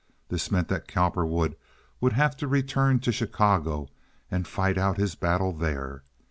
This meant that Cowperwood would have to return to Chicago and fight out his battle there.